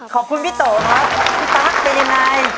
ขอบคุณพี่โต๊ะครับคุณตาล์คไปยังไง